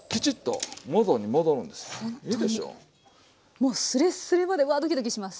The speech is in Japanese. もうすれっすれまでわドキドキします。